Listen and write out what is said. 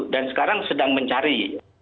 dan sekarang sedang mencari